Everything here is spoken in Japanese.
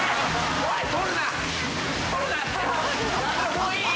もういい。